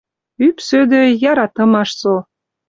Ӱп сӧдӧй — яратымаш со.